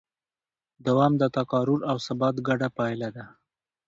دوام د تکرار او ثبات ګډه پایله ده.